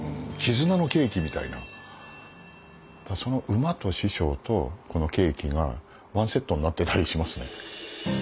その馬と師匠とこのケーキがワンセットになってたりしますね。